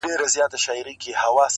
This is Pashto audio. پلار او مور خپلوان یې ټوله په غصه وي,